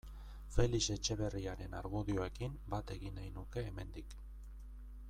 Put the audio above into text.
Felix Etxeberriaren argudioekin bat egin nahi nuke hemendik.